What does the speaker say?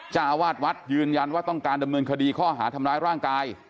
เจ้าอาวาสวัดยืนยันว่าต้องการดำเนินคดีข้อหาทำร้ายร่างกาย